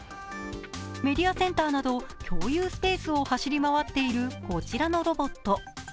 メディアセンターなど共有スペースを走り回っているこのロボット。